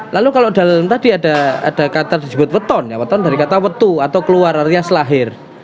lalu kalau dalam tadi ada kata disebut weton dari kata wetu atau keluar selahir